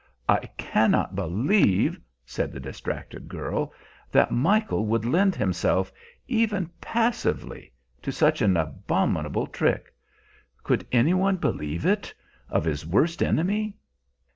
"I cannot believe," said the distracted girl, "that Michael would lend himself, even passively, to such an abominable trick. Could any one believe it of his worst enemy!"